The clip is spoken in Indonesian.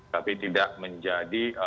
tapi tidak menjadi